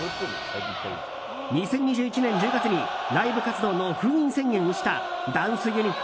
２０２１年１０月にライブ活動の封印宣言をしたダンスユニット